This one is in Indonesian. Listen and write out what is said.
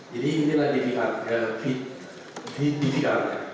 jadi inilah dpr